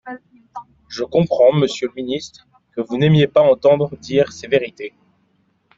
Je comprends, monsieur le ministre, que vous n’aimiez pas vous entendre dire ces vérités.